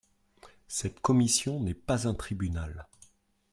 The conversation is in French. Cette commission n’est pas un tribunal.